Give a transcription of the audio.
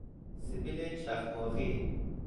سبیل چخماقی